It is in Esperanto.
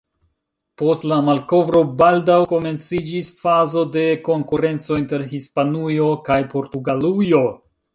Post la malkovro baldaŭ komenciĝis fazo de konkurenco inter Hispanujo kaj Portugalujo.